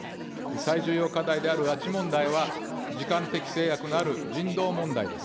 最重要課題である拉致問題は、時間的制約のある人道問題です。